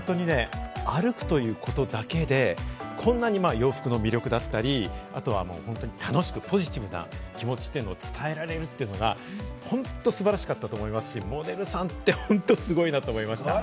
歩くということだけで、こんなに洋服の魅力だったり、楽しくポジティブな気持ちというのを伝えられるというのが、本当、素晴らしかったと思いますし、モデルさんって本当すごいなと思いました。